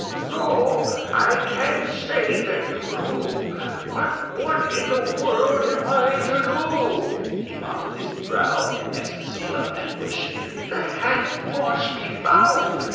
"No, I can't say that you do. But what in the world am I to do?" He mopped his brow in the ecstasy of anguish. "The hat must be found.